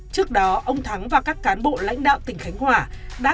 trước đó ông thắng và các cán bộ lãnh đạo tỉnh khánh hòa đã